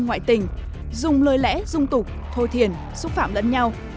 ngoại tình dùng lời lẽ dung tục thô thiền xúc phạm lẫn nhau